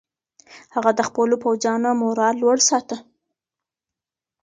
هغه د خپلو پوځیانو مورال لوړ ساته.